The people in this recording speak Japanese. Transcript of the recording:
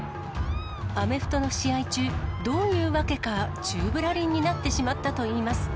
アメフトの試合中、どういうわけか、宙ぶらりんになってしまったといいます。